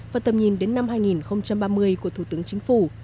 và tầm nhìn đến năm hai nghìn ba mươi của thủ tướng chính phủ